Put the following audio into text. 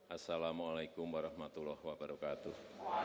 assalamu'alaikum warahmatullahi wabarakatuh